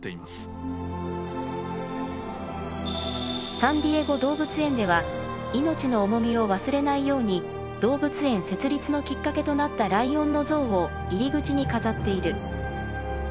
サンディエゴ動物園では命の重みを忘れないように動物園設立のきっかけとなったライオンの像を入り口に飾っている。